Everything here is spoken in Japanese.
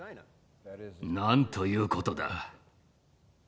なんということだ。